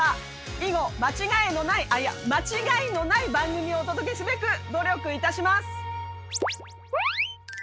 以後間違えのないあっいや間違いのない番組をお届けすべく努力いたします。